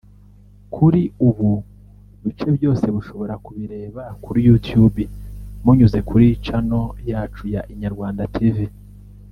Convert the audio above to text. Kuri ubu bice byose bushobora kubirebera kuri Youtube munyuze kuri Channel yacu ya Inyarwanda Tv